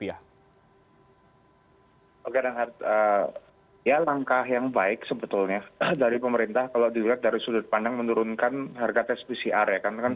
ya langkah yang baik sebetulnya dari pemerintah kalau dilihat dari sudut pandang menurunkan harga tes pcr ya